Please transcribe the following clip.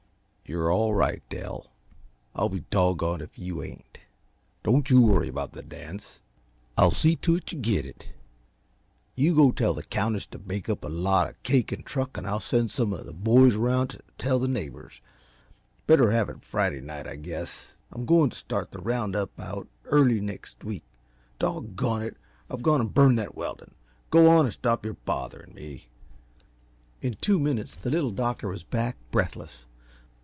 "You're all right, Dell I'll be doggoned if you ain't. Don't you worry about the dance I'll see't yuh get it. You go tell the Countess to bake up a lot of cake and truck, and I'll send some uh the boys around t' tell the neighbors. Better have it Friday night, I guess I'm goin t' start the round up out early next week. Doggone it! I've gone and burned that weldin'. Go on and stop your botherin' me!" In two minutes the Little Doctor was back, breathless.